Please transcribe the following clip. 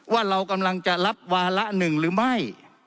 ว่าเรากำลังจะรับวาระหนึ่งหรือไม่